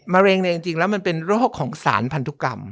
เร็งเนี่ยจริงแล้วมันเป็นโรคของสารพันธุกรรม